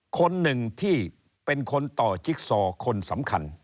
คนหนึ่งที่เป็นคนต่อจิ๊กซอคนสำคัญ